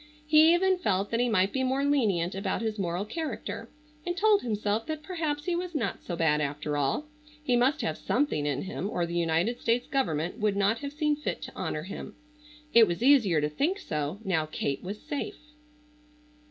He even felt that he might be more lenient about his moral character, and told himself that perhaps he was not so bad after all, he must have something in him or the United States government would not have seen fit to honor him. It was easier to think so, now Kate was safe.